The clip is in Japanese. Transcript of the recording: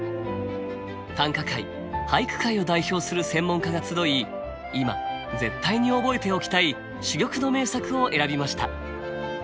短歌界俳句界を代表する専門家が集い今絶対に覚えておきたい珠玉の名作を選びました。